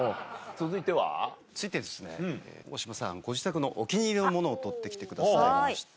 続いて大島さんご自宅のお気に入りのものを撮って来てくださいました。